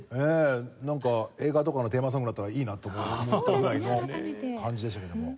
なんか映画とかのテーマソングだったらいいなと思ったぐらいの感じでしたけども。